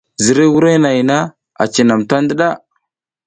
Ziriy wurenahay na cinam ta ndiɗa.